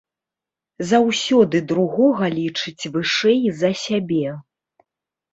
Заўсёды другога лічыць вышэй за сябе.